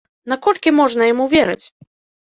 Наколькі можна яму верыць?